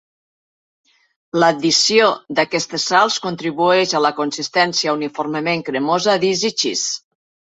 L'addició d'aquestes salts contribueix a la consistència uniformement cremosa d'Easy Cheese.